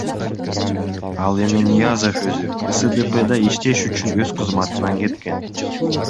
Ал эми Ниязов өзү КСДПда иштеш үчүн өз кызматынан кеткен.